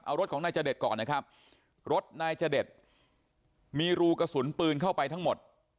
เอารถของนายจเดชก่อนนะครับรถนายจเดชมีรูกระสุนปืนเข้าไปทั้งหมด